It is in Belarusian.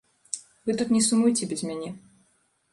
Вы тут не сумуйце без мяне.